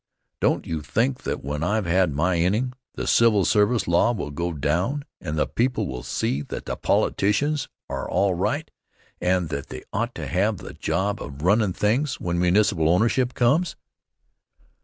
Don't you think that when I've had my inning, the civil service law will go down, and the people will see that the politicians are all right, and that they ought to have the job of runnin' things when municipal ownership comes?